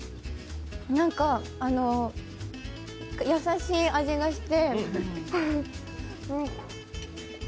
なんか、優しい味がしてふふ。